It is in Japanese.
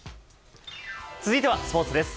続いてはスポーツです。